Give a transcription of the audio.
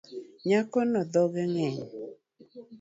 Nyakono dhoge ng’eny